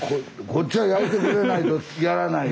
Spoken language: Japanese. こっちは焼いてくれないとやらない。